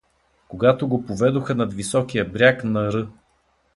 Когато го поведоха над високия бряг на р.